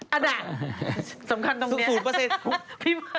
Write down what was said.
อันนั้นสำคัญตรงนี้